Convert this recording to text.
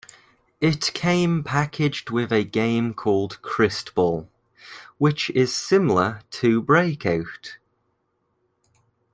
It came packaged with a game called "Crystball", which is similar to "Breakout".